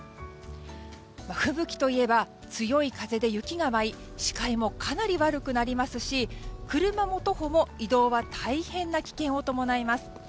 吹雪といえば強い風で雪が舞い視界もかなり悪くなりますし車も徒歩も移動は大変な危険を伴います。